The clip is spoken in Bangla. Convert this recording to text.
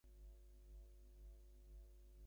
আমাদের কাছে কী লুকাচ্ছো, গুয়েন?